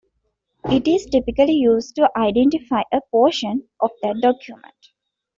It is typically used to identify a portion of that document.